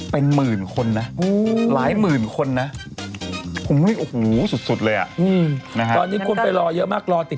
ต่อมตะลึงอึ้งกิ่มกลี่